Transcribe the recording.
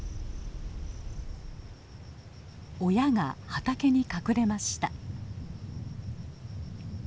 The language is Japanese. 親が畑に隠れました。